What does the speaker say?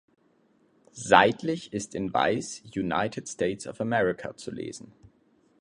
Seitlich ist in weiß „United States of America“ zu lesen.